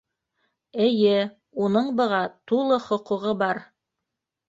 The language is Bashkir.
Эйе, уның быға тулы хоҡуғы бар!